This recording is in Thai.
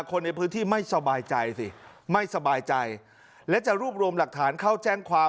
คนในพื้นที่ไม่สบายใจสิไม่สบายใจและจะรวบรวมหลักฐานเข้าแจ้งความ